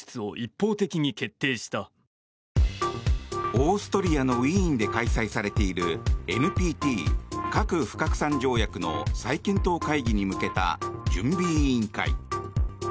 オーストリアのウィーンで開催されているＮＰＴ・核不拡散条約の再検討会議に向けた準備委員会。